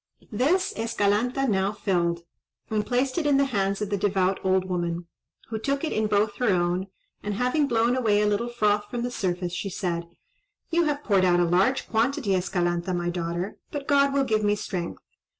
This Escalanta now filled, and placed it in the hands of the devout old woman, who took it in both her own, and, having blown away a little froth from the surface, she said,— "You have poured out a large quantity, Escalanta, my daughter; but God will give me strength."